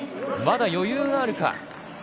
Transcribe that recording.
まだ余裕があるか。